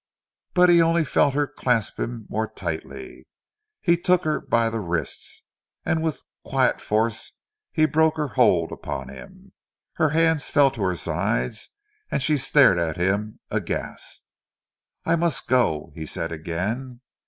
_" But he only felt her clasp him more tightly. He took her by the wrists, and with quiet force he broke her hold upon him; her hands fell to her sides, and she stared at him, aghast. "I must go," he said, again.